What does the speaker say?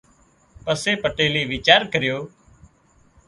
پسي پٽيلئي ويچار ڪريو